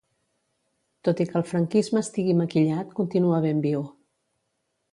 Tot i que el franquisme estigui maquillat, continua ben viu.